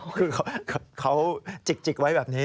คือเขาจิกไว้แบบนี้